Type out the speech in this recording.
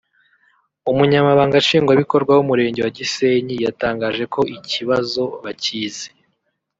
Umunyamabanga Nshingwabikorwa w’Umurenge wa Gisenyi yatangaje ko ikibazo bakizi